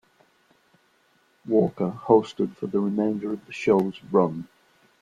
Walker hosted for the remainder of the show's run.